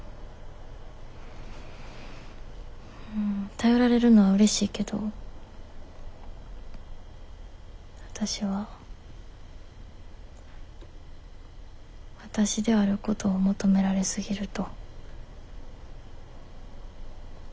頼られるのはうれしいけどわたしはわたしであることを求められすぎると。